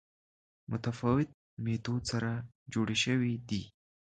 متفاوت میتود سره جوړې شوې دي